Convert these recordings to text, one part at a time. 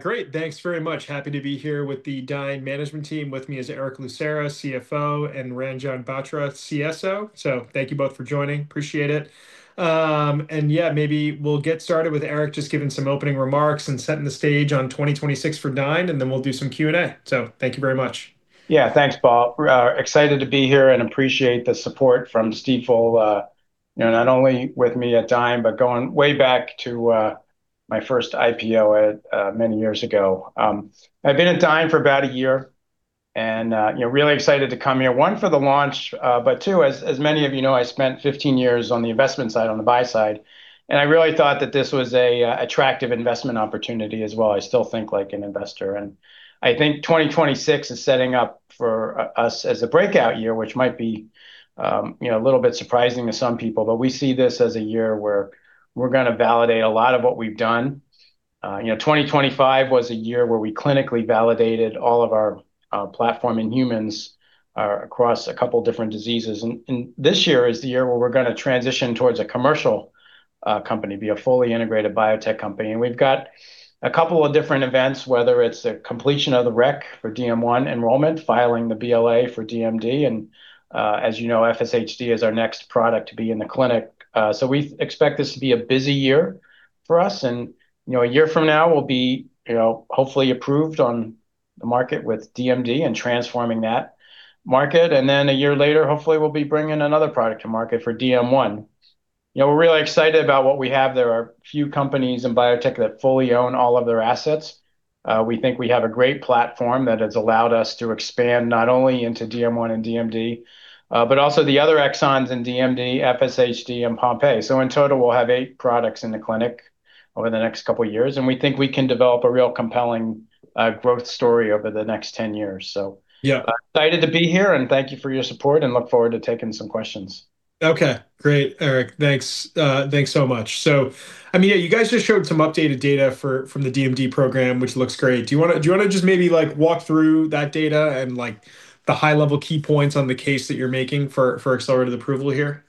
Great. Thanks very much. Happy to be here with the Dyne management team. With me is Erick Lucera, CFO, and Ranjan Batra, CSO. Thank you both for joining. Appreciate it. And yeah, maybe we'll get started with Erick just giving some opening remarks and setting the stage on 2026 for Dyne, and then we'll do some Q&A. Thank you very much. Yeah. Thanks, Paul. We're excited to be here and appreciate the support from Stifel, you know, not only with me at Dyne, but going way back to my first IPO many years ago. I've been at Dyne for about a year, and you know, really excited to come here, one, for the launch, but two, as many of you know, I spent 15 years on the investment side, on the buy side, and I really thought that this was an attractive investment opportunity as well. I still think like an investor, and I think 2026 is setting up for us as a breakout year, which might be, you know, a little bit surprising to some people. We see this as a year where we're gonna validate a lot of what we've done. You know, 2025 was a year where we clinically validated all of our platform in humans across a couple different diseases. This year is the year where we're gonna transition towards a commercial company, be a fully integrated biotech company. We've got a couple of different events, whether it's the completion of the REC for DM1 enrollment, filing the BLA for DMD, and as you know, FSHD is our next product to be in the clinic. We expect this to be a busy year for us. You know, a year from now we'll be, you know, hopefully approved on the market with DMD and transforming that market. A year later, hopefully we'll be bringing another product to market for DM1. You know, we're really excited about what we have. There are few companies in biotech that fully own all of their assets. We think we have a great platform that has allowed us to expand not only into DM1 and DMD, but also the other exons in DMD, FSHD and Pompe. In total, we'll have eight products in the clinic over the next couple years, and we think we can develop a real compelling, growth story over the next ten years. Yeah excited to be here, and thank you for your support, and look forward to taking some questions. Okay, great, Erick. Thanks. Thanks so much. I mean, yeah, you guys just showed some updated data from the DMD program, which looks great. Do you wanna just maybe like walk through that data and like the high level key points on the case that you're making for accelerated approval here?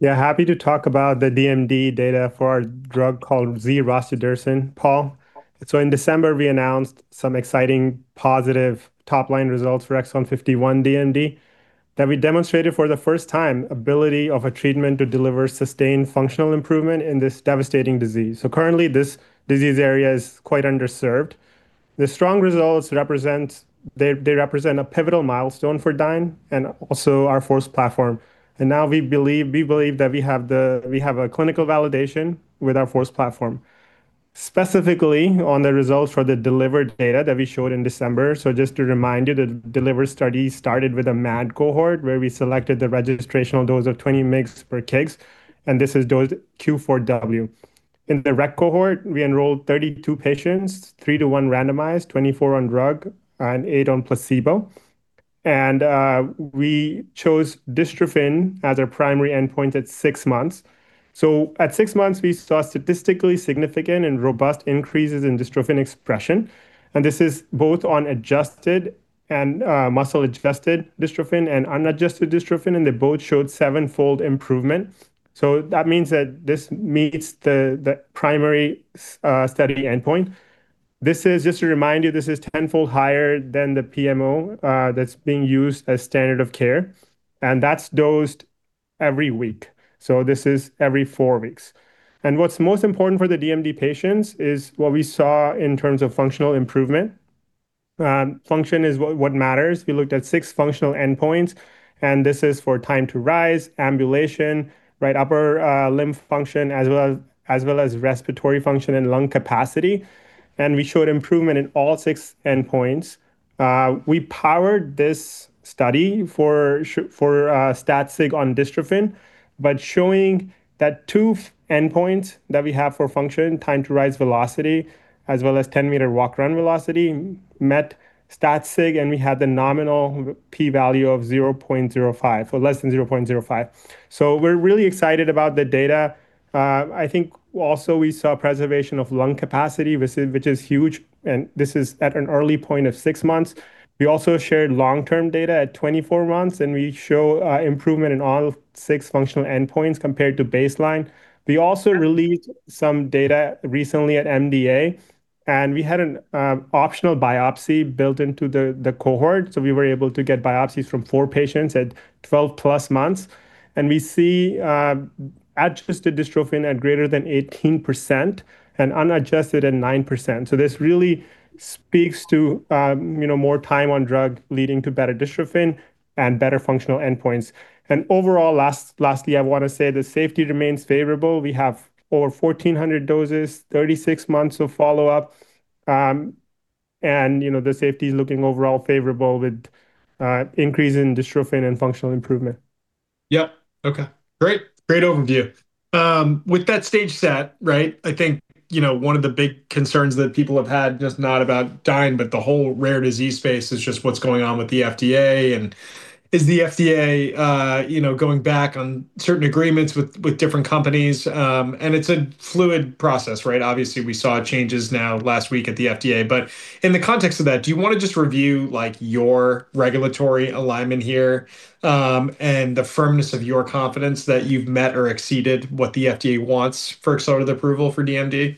Yeah, happy to talk about the DMD data for our drug called Z-rostudirsen, Paul. In December, we announced some exciting positive top-line results for exon 51 DMD that we demonstrated for the first time ability of a treatment to deliver sustained functional improvement in this devastating disease. Currently, this disease area is quite underserved. The strong results represent a pivotal milestone for Dyne and also our FORCE platform. We believe that we have a clinical validation with our FORCE platform. Specifically on the results for the DELIVER data that we showed in December, just to remind you, the DELIVER study started with a MAD cohort, where we selected the registrational dose of 20 mg/kg, and this is dosed Q4W. In the REC cohort, we enrolled 32 patients, 3:1 randomized, 24 on drug and eight on placebo. We chose dystrophin as our primary endpoint at six months. At six months, we saw statistically significant and robust increases in dystrophin expression, and this is both on adjusted and muscle-adjusted dystrophin and unadjusted dystrophin, and they both showed sevenfold improvement. That means that this meets the primary study endpoint. This is, just to remind you, this is tenfold higher than the PMO that's being used as standard of care, and that's dosed every week, so this is every four weeks. What's most important for the DMD patients is what we saw in terms of functional improvement. Function is what matters. We looked at six functional endpoints, and this is for time to rise, ambulation, right upper limb function, as well as respiratory function and lung capacity, and we showed improvement in all six endpoints. We powered this study for stat sig on dystrophin, but showing that two endpoints that we have for function, time to rise velocity as well as ten-meter walk/run velocity, met stat sig, and we had the nominal p-value of 0.05, or less than 0.05. We're really excited about the data. I think also we saw preservation of lung capacity, which is huge, and this is at an early point of six months. We also shared long-term data at 24 months, and we show improvement in all six functional endpoints compared to baseline. We also released some data recently at MDA, and we had an optional biopsy built into the cohort, so we were able to get biopsies from four patients at 12+ months, and we see adjusted dystrophin at greater than 18% and unadjusted at 9%. This really speaks to, you know, more time on drug leading to better dystrophin and better functional endpoints. Overall, lastly, I want to say the safety remains favorable. We have over 1,400 doses, 36 months of follow-up, and, you know, the safety is looking overall favorable with increase in dystrophin and functional improvement. Yep. Okay. Great. Great overview. With that stage set, right, I think, you know, one of the big concerns that people have had, just not about Dyne, but the whole rare disease space, is just what's going on with the FDA, and is the FDA, you know, going back on certain agreements with different companies? It's a fluid process, right? Obviously, we saw changes now last week at the FDA. In the context of that, do you wanna just review, like, your regulatory alignment here, and the firmness of your confidence that you've met or exceeded what the FDA wants for accelerated approval for DMD?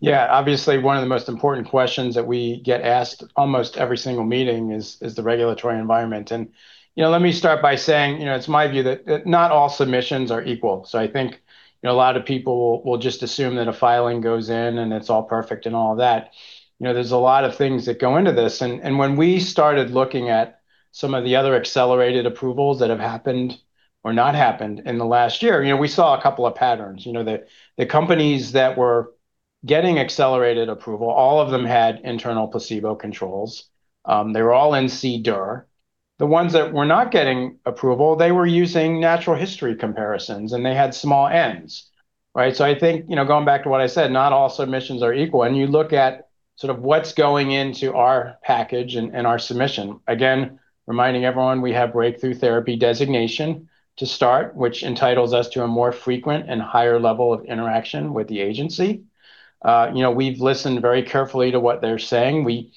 Yeah, obviously one of the most important questions that we get asked almost every single meeting is the regulatory environment. You know, let me start by saying, you know, it's my view that not all submissions are equal. I think, you know, a lot of people will just assume that a filing goes in, and it's all perfect and all that. You know, there's a lot of things that go into this. When we started looking at some of the other Accelerated Approvals that have happened or not happened in the last year, you know, we saw a couple of patterns. You know, the companies that were getting Accelerated Approval, all of them had internal placebo controls. They were all in CDER. The ones that were not getting approval, they were using natural history comparisons, and they had small n's, right? I think, you know, going back to what I said, not all submissions are equal, and you look at sort of what's going into our package and our submission. Again, reminding everyone, we have Breakthrough Therapy designation to start, which entitles us to a more frequent and higher level of interaction with the agency. You know, we've listened very carefully to what they're saying. We,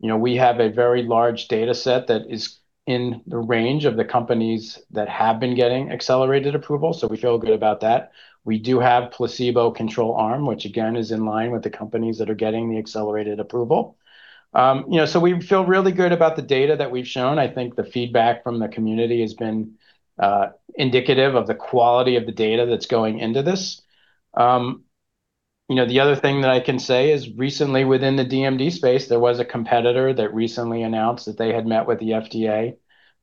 you know, we have a very large data set that is in the range of the companies that have been getting Accelerated Approval, so we feel good about that. We do have placebo control arm, which again is in line with the companies that are getting the Accelerated Approval. You know, so we feel really good about the data that we've shown. I think the feedback from the community has been indicative of the quality of the data that's going into this. You know, the other thing that I can say is recently within the DMD space, there was a competitor that recently announced that they had met with the FDA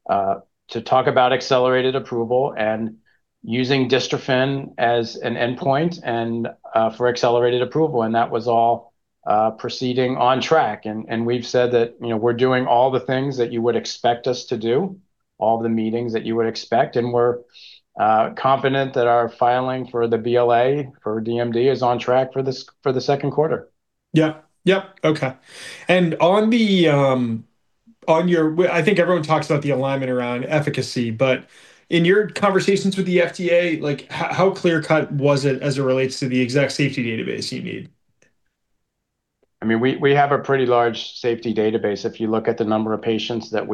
to talk about accelerated approval and using dystrophin as an endpoint and for accelerated approval, and that was all proceeding on track. We've said that, you know, we're doing all the things that you would expect us to do, all the meetings that you would expect, and we're confident that our filing for the BLA for DMD is on track for the second quarter. Yeah. Yep. Okay. I think everyone talks about the alignment around efficacy, but in your conversations with the FDA, like how clear-cut was it as it relates to the exact safety database you need? I mean, we have a pretty large safety database if you look at the number of patients that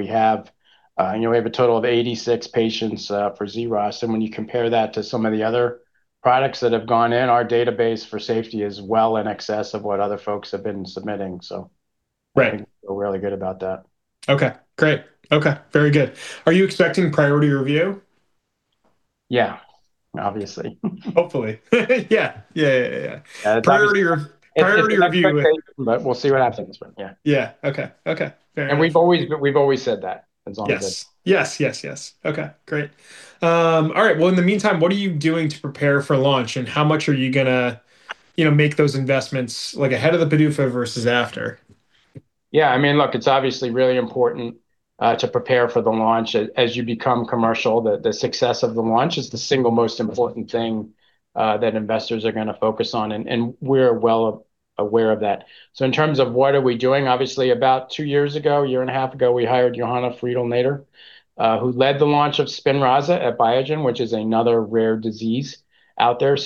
we have. You know, we have a total of 86 patients for Zros, and when you compare that to some of the other products that have gone in our database for safety is well in excess of what other folks have been submitting. Right I feel really good about that. Okay, great. Okay, very good. Are you expecting Priority Review? Yeah. Obviously. Hopefully. Yeah, yeah. It's obviously. Priority Review It's expectation, but we'll see what happens, right? Yeah. Yeah. Okay. Fair enough. We've always said that as long as it's Yes. Okay, great. All right. Well, in the meantime, what are you doing to prepare for launch, and how much are you gonna, you know, make those investments like ahead of the PDUFA versus after? Yeah, I mean, look, it's obviously really important to prepare for the launch. As you become commercial, the success of the launch is the single most important thing that investors are gonna focus on, and we're well aware of that. In terms of what we are doing, obviously about two years ago, a year and a half ago, we hired Johanna Friedl-Naderer, who led the launch of Spinraza at Biogen, which is another rare disease out there.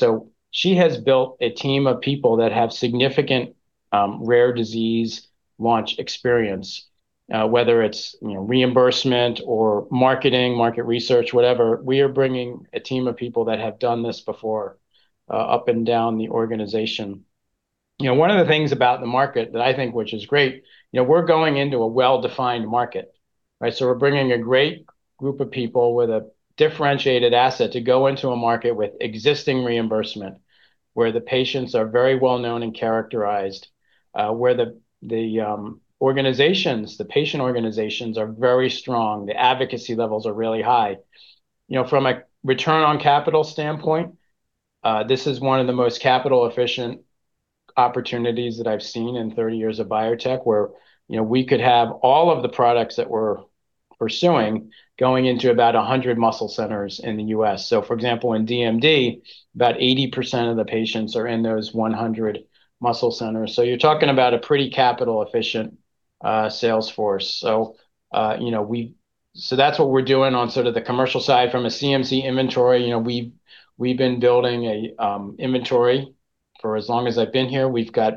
She has built a team of people that have significant rare disease launch experience. Whether it's, you know, reimbursement or marketing, market research, whatever, we are bringing a team of people that have done this before, up and down the organization. You know, one of the things about the market that I think which is great, you know, we're going into a well-defined market, right? We're bringing a great group of people with a differentiated asset to go into a market with existing reimbursement, where the patients are very well known and characterized, where the organizations, the patient organizations are very strong. The advocacy levels are really high. You know, from a return on capital standpoint, this is one of the most capital efficient opportunities that I've seen in 30 years of biotech, where, you know, we could have all of the products that we're pursuing going into about 100 muscle centers in the U.S. For example, in DMD, about 80% of the patients are in those 100 muscle centers. You're talking about a pretty capital efficient sales force. That's what we're doing on sort of the commercial side. From a CMC inventory, you know, we've been building an inventory for as long as I've been here. We've got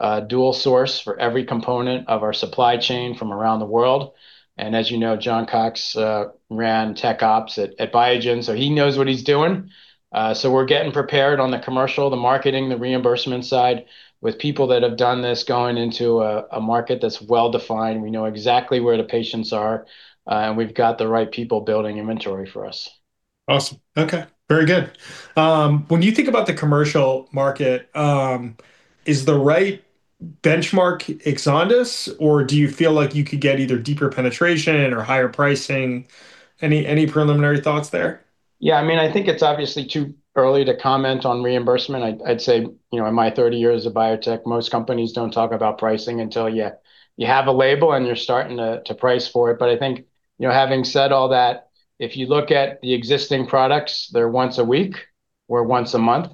a dual source for every component of our supply chain from around the world. As you know, John Cox ran tech ops at Biogen, so he knows what he's doing. We're getting prepared on the commercial, the marketing, the reimbursement side with people that have done this going into a market that's well-defined. We know exactly where the patients are, and we've got the right people building inventory for us. Awesome. Okay. Very good. When you think about the commercial market, is the right benchmark Exondys, or do you feel like you could get either deeper penetration or higher pricing? Any preliminary thoughts there? Yeah, I mean, I think it's obviously too early to comment on reimbursement. I'd say, you know, in my 30 years of biotech, most companies don't talk about pricing until you have a label and you're starting to price for it. I think, you know, having said all that, if you look at the existing products, they're once a week or once a month,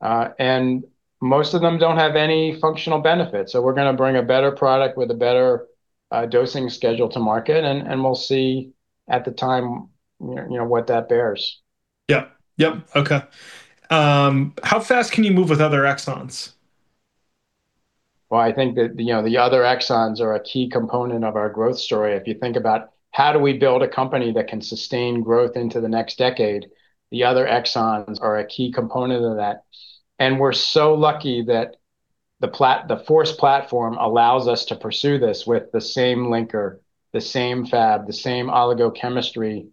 and most of them don't have any functional benefits. We're gonna bring a better product with a better dosing schedule to market, and we'll see at the time, you know, what that bears. Yep. Yep. Okay. How fast can you move with other exons? Well, I think that, you know, the other exons are a key component of our growth story. If you think about how do we build a company that can sustain growth into the next decade, the other exons are a key component of that. We're so lucky that the FORCE platform allows us to pursue this with the same linker, the same Fab, the same oligochemistry, you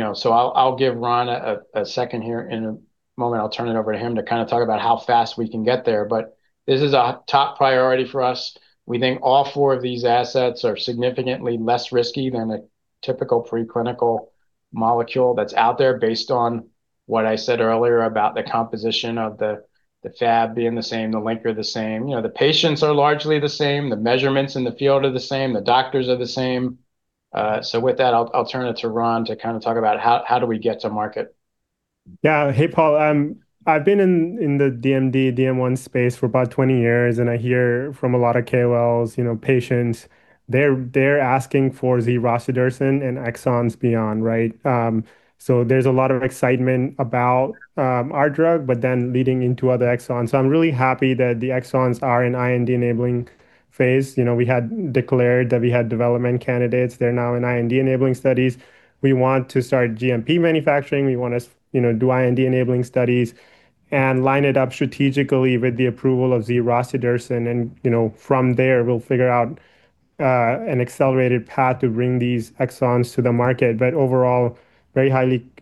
know. I'll give Ran a second here. In a moment I'll turn it over to him to kind of talk about how fast we can get there. This is a top priority for us. We think all four of these assets are significantly less risky than a typical preclinical molecule that's out there based on what I said earlier about the composition of the Fab being the same, the linker the same. You know, the patients are largely the same, the measurements in the field are the same, the doctors are the same. With that, I'll turn it to Ran to kind of talk about how do we get to market. Yeah. Hey, Paul. I've been in the DMD DM1 space for about 20 years, and I hear from a lot of KOLs, you know, patients, they're asking for Z-rostudirsen and exons beyond, right? There's a lot of excitement about our drug, but then leading into other exons. I'm really happy that the exons are in IND-enabling phase. You know, we had declared that we had development candidates. They're now in IND-enabling studies. We want to start GMP manufacturing. We wanna, you know, do IND-enabling studies and line it up strategically with the approval of Z-rostudirsen. You know, from there, we'll figure out an accelerated path to bring these exons to the market. Overall, very, like,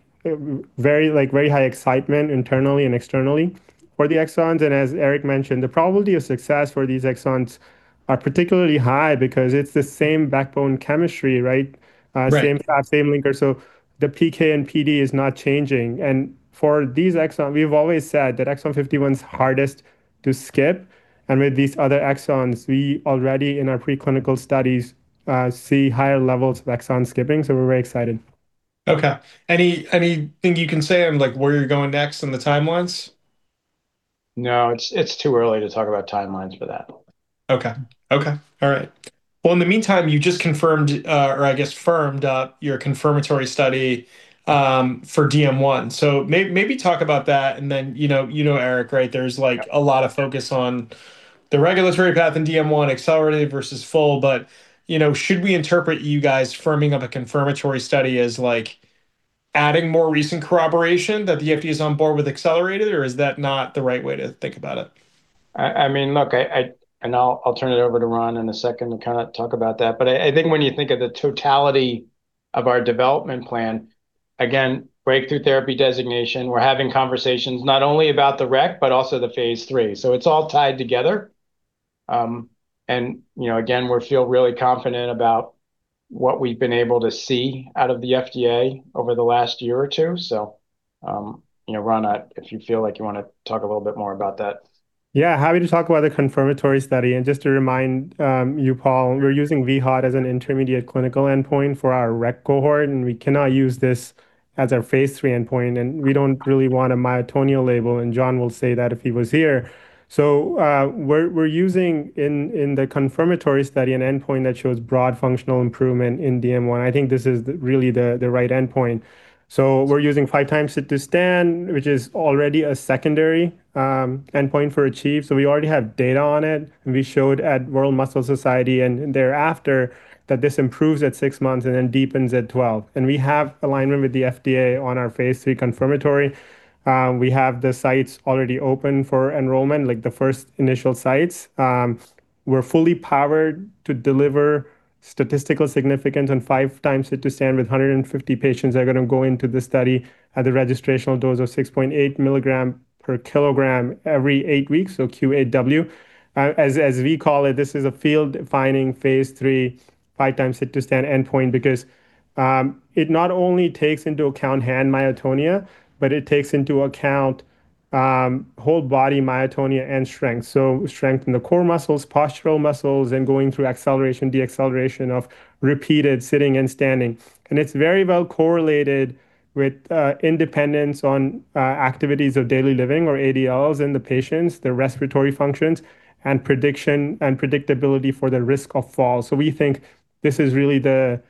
very high excitement internally and externally for the exons. As Erick mentioned, the probability of success for these exons are particularly high because it's the same backbone chemistry, right? Right. Same path, same linker. The PK and PD is not changing. For these exons, we've always said that exon 51's hardest to skip. With these other exons, we already, in our preclinical studies, see higher levels of exon skipping, so we're very excited. Okay. Anything you can say on, like, where you're going next and the timelines? No. It's too early to talk about timelines for that. Okay. All right. Well, in the meantime, you just confirmed, or I guess firmed up your confirmatory study, for DM1. Maybe talk about that, and then, you know, you know Erick, right? There's, like, a lot of focus on the regulatory path in DM1, accelerated versus full. You know, should we interpret you guys firming up a confirmatory study as, like, adding more recent corroboration that the FDA is on board with accelerated, or is that not the right way to think about it? I mean, look, I'll turn it over to Ran in a second to kinda talk about that. I think when you think of the totality of our development plan, again, Breakthrough Therapy designation, we're having conversations not only about the REC but also the phase III. It's all tied together. You know, again, we feel really confident about what we've been able to see out of the FDA over the last year or two. You know, Ran, if you feel like you wanna talk a little bit more about that. Yeah. Happy to talk about the confirmatory study. Just to remind you, Paul, we're using VHOT as an intermediate clinical endpoint for our REC cohort, and we cannot use this as our phase III endpoint, and we don't really want a myotonia label, and John will say that if he was here. We're using in the confirmatory study an endpoint that shows broad functional improvement in DM1. I think this is really the right endpoint. We're using Five Times Sit to Stand, which is already a secondary endpoint for ACHIEVE. We already have data on it, and we showed at World Muscle Society and thereafter that this improves at six months and then deepens at 12. We have alignment with the FDA on our phase III confirmatory. We have the sites already open for enrollment, like, the first initial sites. We're fully powered to deliver statistical significance on Five Times Sit-to-Stand with 150 patients that are gonna go into the study at the registrational dose of 6.8 milligrams per kilogram every eight weeks, so Q8W. As we call it, this is a field-defining phase III Five Times Sit-to-Stand endpoint because it not only takes into account hand myotonia, but it takes into account whole body myotonia and strength. Strength in the core muscles, postural muscles, and going through acceleration, deceleration of repeated sitting and standing. It's very well correlated with independence on activities of daily living or ADLs in the patients, their respiratory functions, and prediction and predictability for the risk of falls. We think this is really the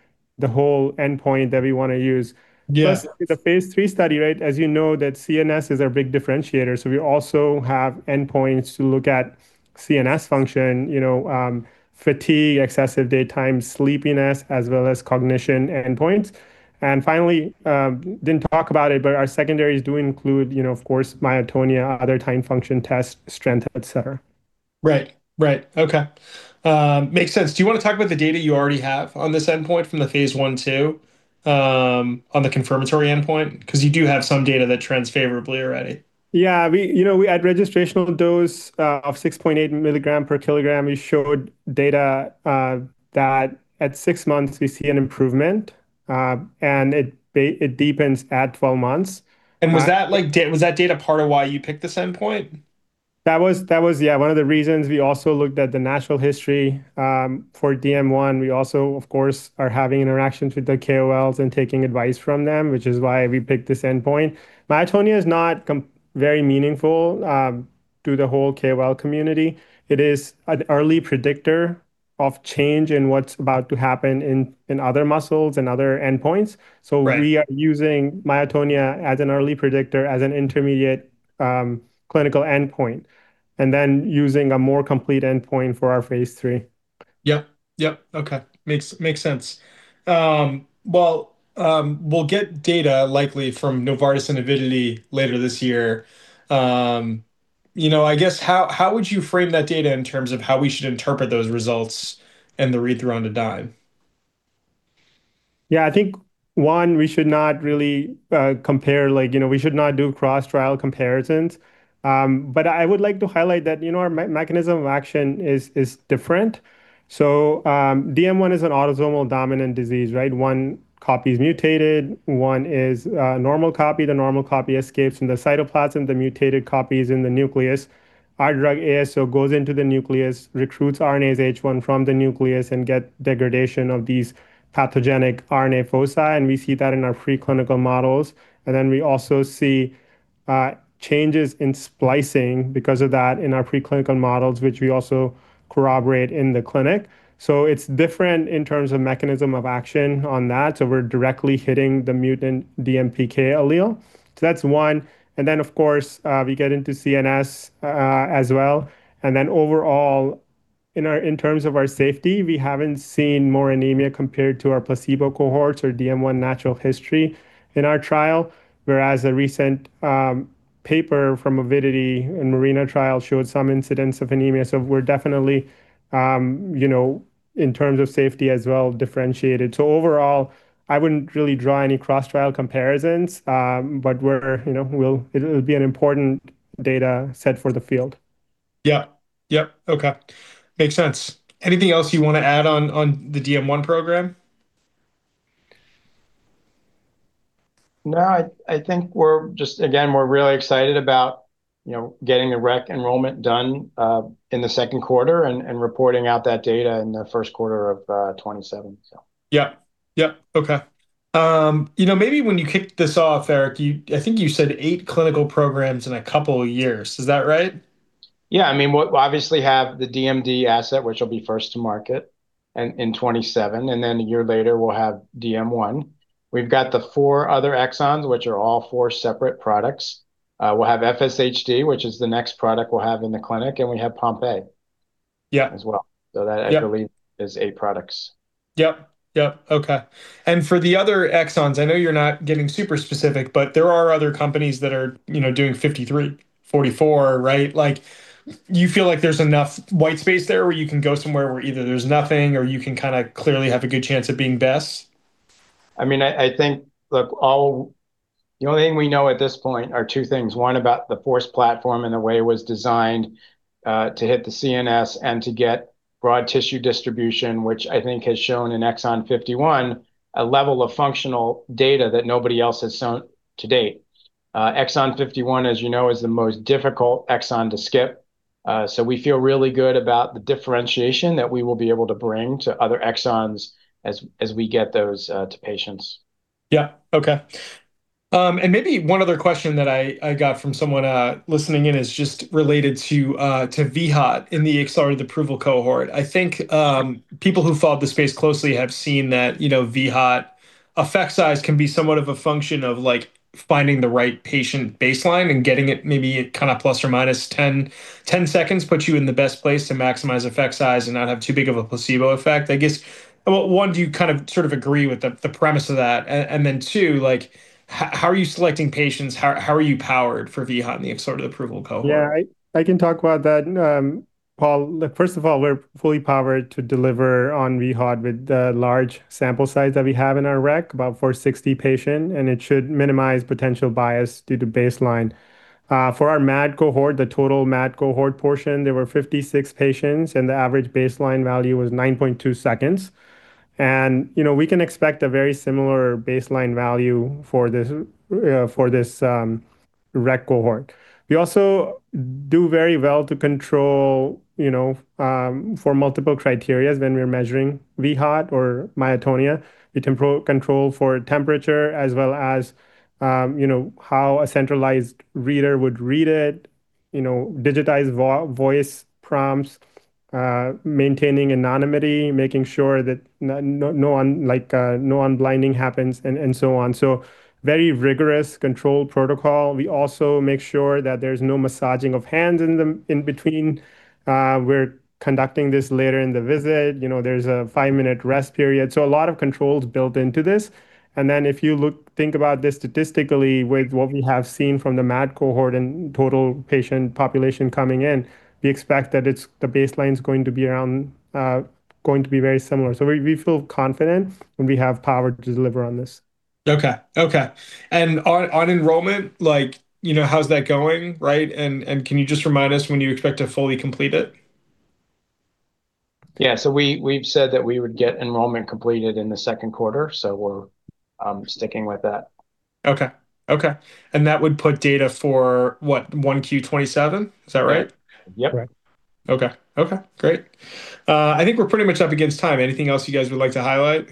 whole endpoint that we wanna use. Yeah. It's a phase III study, right? As you know that CNS is our big differentiator, so we also have endpoints to look at CNS function, you know, fatigue, excessive daytime sleepiness, as well as cognition endpoints. Finally, didn't talk about it, but our secondaries do include, you know, of course, myotonia, other timed function tests, strength, et cetera. Right. Okay. Makes sense. Do you wanna talk about the data you already have on this endpoint from the phase I/II on the confirmatory endpoint? 'Cause you do have some data that trends favorably already. Yeah. You know, we had registrational dose of 6.8 mg per kg. We showed data that at six months we see an improvement, and it deepens at twelve months. Was that, like, data part of why you picked this endpoint? That was yeah, one of the reasons we also looked at the natural history for DM1. We also, of course, are having interactions with the KOLs and taking advice from them, which is why we picked this endpoint. Myotonia is not very meaningful to the whole KOL community. It is an early predictor of change in what's about to happen in other muscles and other endpoints. Right. We are using myotonia as an early predictor, as an intermediate, clinical endpoint, and then using a more complete endpoint for our phase III. Yep. Okay. Makes sense. Well, we'll get data likely from Novartis and Avidity later this year. You know, I guess, how would you frame that data in terms of how we should interpret those results and the read-through on to Dyne? Yeah, I think, one, we should not really compare, like, you know, we should not do cross-trial comparisons. I would like to highlight that, you know, our mechanism of action is different. DM1 is an autosomal dominant disease, right? One copy is mutated, one is a normal copy. The normal copy escapes in the cytoplasm, the mutated copy is in the nucleus. Our drug ASO goes into the nucleus, recruits RNase H1 from the nucleus, and get degradation of these pathogenic RNA foci, and we see that in our preclinical models. We also see changes in splicing because of that in our preclinical models, which we also corroborate in the clinic. It's different in terms of mechanism of action on that, so we're directly hitting the mutant DMPK allele. That's one. Of course, we get into CNS as well, and then overall in terms of our safety, we haven't seen more anemia compared to our placebo cohorts or DM1 natural history in our trial, whereas a recent paper from Avidity in MARINA trial showed some incidents of anemia. We're definitely, you know, in terms of safety as well differentiated. Overall, I wouldn't really draw any cross-trial comparisons, but we're, you know, it'll be an important data set for the field. Yeah. Yep, okay. Makes sense. Anything else you wanna add on the DM1 program? No, I think again we're really excited about, you know, getting the REC enrollment done in the second quarter and reporting out that data in the first quarter of 2027, so. Yeah. Yep, okay. You know, maybe when you kicked this off, Erick, you, I think you said eight clinical programs in a couple of years. Is that right? Yeah. I mean, we obviously have the DMD asset, which will be first to market in 2027, and then a year later, we'll have DM1. We've got the four other exons, which are all four separate products. We'll have FSHD, which is the next product we'll have in the clinic, and we have Pompe. Yeah As well. Yep. That actually is eight products. Yep. Okay. For the other exons, I know you're not getting super specific, but there are other companies that are, you know, doing 53, 44, right? Like, you feel like there's enough white space there where you can go somewhere where either there's nothing or you can kinda clearly have a good chance at being best? I mean, I think, look, the only thing we know at this point are two things, one about the FORCE platform and the way it was designed to hit the CNS and to get broad tissue distribution, which I think has shown in exon 51 a level of functional data that nobody else has shown to date. Exon 51, as you know, is the most difficult exon to skip. We feel really good about the differentiation that we will be able to bring to other exons as we get those to patients. Yeah. Okay. And maybe one other question that I got from someone listening in is just related to VHOT in the Accelerated Approval cohort. I think people who followed the space closely have seen that, you know, VHOT effect size can be somewhat of a function of like finding the right patient baseline and getting it maybe kind of ±10 seconds put you in the best place to maximize effect size and not have too big of a placebo effect. I guess, well, one, do you kind of sort of agree with the premise of that? And then two, like, how are you selecting patients? How are you powered for VHOT in the Accelerated Approval cohort? Yeah. I can talk about that, Paul. Look, first of all, we're fully powered to deliver on VHOT with the large sample size that we have in our REC, about 460 patient, and it should minimize potential bias due to baseline. For our MAD cohort, the total MAD cohort portion, there were 56 patients, and the average baseline value was 9.2 seconds. You know, we can expect a very similar baseline value for this REC cohort. We also do very well to control, you know, for multiple criteria when we're measuring VHOT or myotonia. We control for temperature as well as, you know, how a centralized reader would read it, you know, digitized voice prompts, maintaining anonymity, making sure that no unblinding happens, and so on. Very rigorous control protocol. We also make sure that there's no massaging of hands in between. We're conducting this later in the visit. You know, there's a five-minute rest period. A lot of controls built into this. If you think about this statistically with what we have seen from the MAD cohort and total patient population coming in, we expect that the baseline's going to be around, going to be very similar. We feel confident, and we have power to deliver on this. Okay. On enrollment, like, you know, how's that going, right? Can you just remind us when you expect to fully complete it? Yeah. We've said that we would get enrollment completed in the second quarter, so we're sticking with that. Okay. That would put data for what? 1Q 27? Is that right? Yep. Right. Okay. Okay, great. I think we're pretty much up against time. Anything else you guys would like to highlight?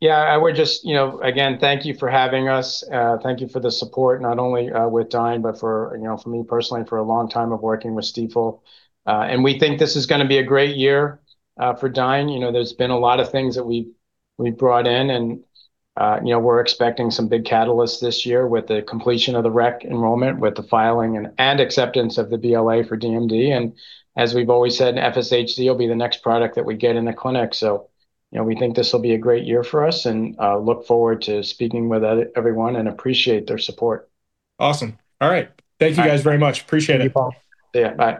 You know, again, thank you for having us. Thank you for the support, not only with Dyne but for, you know, for me personally and for a long time of working with Stifel. We think this is gonna be a great year for Dyne. You know, there's been a lot of things that we've brought in and, you know, we're expecting some big catalysts this year with the completion of the REC enrollment, with the filing and acceptance of the BLA for DMD. As we've always said, FSHD will be the next product that we get in the clinic. You know, we think this will be a great year for us, and look forward to speaking with everyone, and appreciate their support. Awesome. All right. Bye. Thank you, guys, very much. Appreciate it. Thank you, Paul. See ya. Bye.